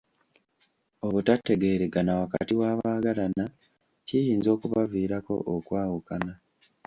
Obutategeeragana wakati w'abaagalana kiyinza okubaviirako okwawukana.